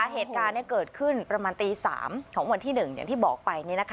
เหตุการณ์เกิดขึ้นประมาณตี๓ของวันที่๑อย่างที่บอกไป